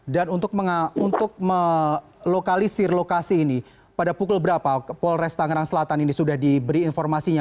dan untuk melokalisir lokasi ini pada pukul berapa polres tanggerang selatan ini sudah diberi informasinya